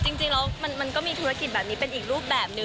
จริงแล้วมันก็มีธุรกิจแบบนี้เป็นอีกรูปแบบนึง